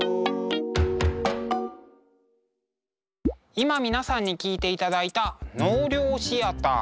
今皆さんに聴いていただいた「納涼シアター」。